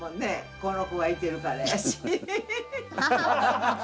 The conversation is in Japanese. この子がいてるからやし。